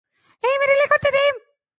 He immediately quit the team.